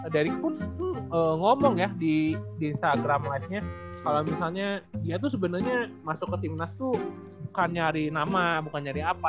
dari pun ngomong ya di instagram live nya kalau misalnya dia tuh sebenarnya masuk ke timnas tuh bukan nyari nama bukan nyari apa